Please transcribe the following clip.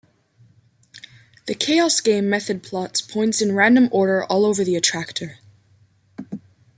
The "chaos game" method plots points in random order all over the attractor.